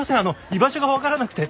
居場所がわからなくて。